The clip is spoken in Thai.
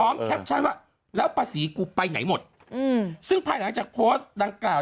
แคปชั่นว่าแล้วภาษีกูไปไหนหมดอืมซึ่งภายหลังจากโพสต์ดังกล่าว